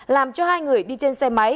làm cho hai người đi trên xe máy